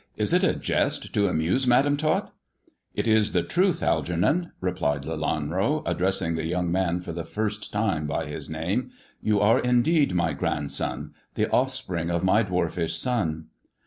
" Is it a jest to amuse Madam Tot ]"" It is the truth, Algernon," replied Lelanro, addressing the young man for the first time by his name. You are indeed my grandson — the offspring of my dwarfish son."